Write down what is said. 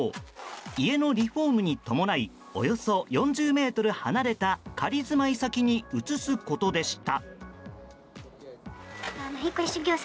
家のリフォームに伴いおよそ４０ｍ離れた仮住まい先に移すことでした。